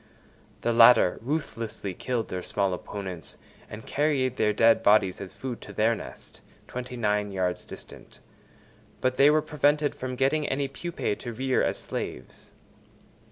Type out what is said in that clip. The latter ruthlessly killed their small opponents and carried their dead bodies as food to their nest, twenty nine yards distant; but they were prevented from getting any pupæ to rear as slaves.